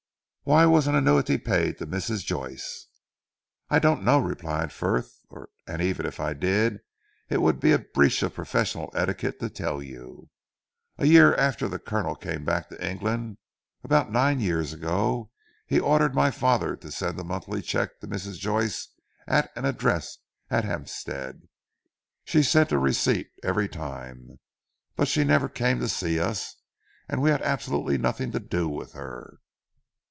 "Why was an annuity paid to Mrs. Joyce?" "I don't know," replied Frith, "and even if I did, it would be a breach of professional etiquette to tell you. A year after the Colonel came back to England about nine years ago he ordered my father to send a monthly cheque to Mrs. Joyce at an address at Hampstead. She sent a receipt every time, but she never came to see us, and we had absolutely nothing to do with her.